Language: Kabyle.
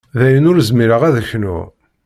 Dayen ur zmireɣ ad knuɣ.